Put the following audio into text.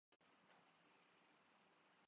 اترے گا تو اس کے لیے بھی اپنے